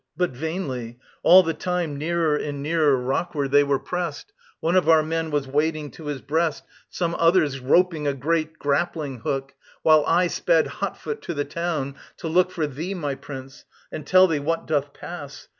But vainly; all the time Nearer and nearer rockward they were pressed. One of our men was wading to his breast, Some others roping a great grappling hook, While I sped hot foot to the town, to look For thee, my Prince, and tell thee what doth pass.